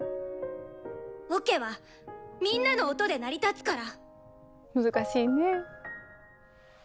オケはみんなの音で成り立つから。